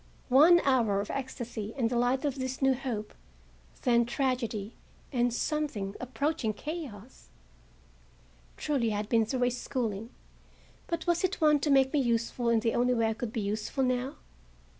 One hour of ecstasy in the light of this new hope, then tragedy and something approaching chaos! Truly I had been through a schooling. But was it one to make me useful in the only way I could be useful now?